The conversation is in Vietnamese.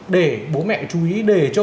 để bố mẹ chú ý để cho